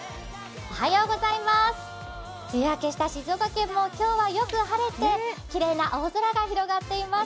梅雨明けした静岡県も今日はよく晴れてきれいな青空が広がっています。